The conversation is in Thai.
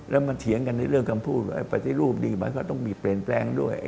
และมาเฟียงในเรื่องคำพูดจุดปฏิรูปดีมาก็ต้องมีเปลนแปลงด้วย